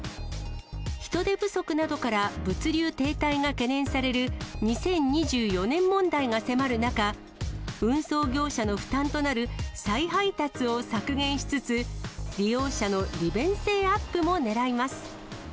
人手不足などから、物流停滞が懸念される２０２４年問題が迫る中、運送業者の負担となる再配達を削減しつつ、利用者の利便性アップもねらいます。